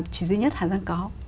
chỉ duy nhất hà giang có